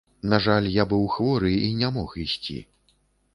На жаль, я быў хворы і не мог ісці.